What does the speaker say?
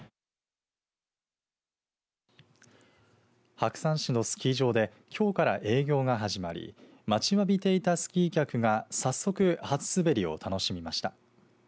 白山市のスキー場できょうから営業が始まり待ちわびていたスキー客が早速初滑りを楽しみました。